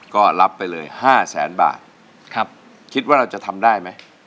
ก็รับไปเลยห้าแสนบาทครับคิดว่าเราจะทำได้ไหม